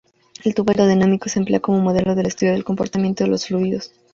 El tubo aerodinámico se emplea como modelo de estudio del comportamiento de los fluidos.